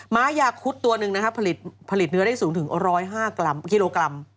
้ายาคุดตัวหนึ่งนะครับผลิตเนื้อได้สูงถึง๑๐๕กิโลกรัม